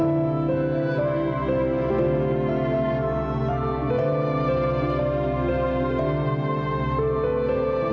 itu baru marah marah